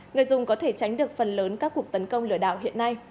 người dùng có thể tránh được phần lớn các cuộc tấn công lửa đảo hiện nay